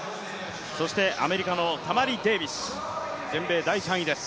アメリカのタマリ・デービス全米第３位です。